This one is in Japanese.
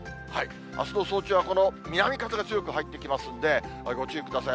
あすの早朝はこの南風が強く入ってきますんで、ご注意ください。